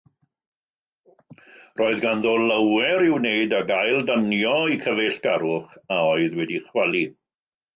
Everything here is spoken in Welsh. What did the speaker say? Roedd ganddo lawer i'w wneud ag aildanio eu cyfeillgarwch a oedd wedi chwalu.